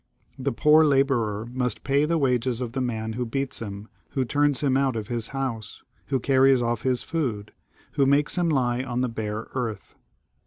The poor labourer must pay the wages of the man who beats him, who turns him out of his house, who carries off his food, who makes him lie on the bare earth.